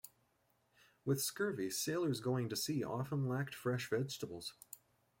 With scurvy, sailors going to sea often lacked fresh vegetables.